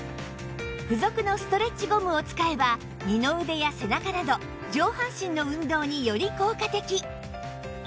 付属のストレッチゴムを使えば二の腕や背中など上半身の運動により効果的